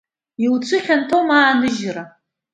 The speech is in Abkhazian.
Иуцәыхьанҭоума ааныжьра?